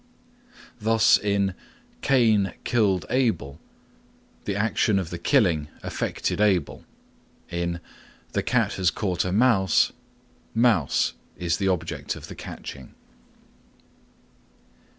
Thus in "Cain killed Abel" the action of the killing affected Abel. In "The cat has caught a mouse," mouse is the object of the catching.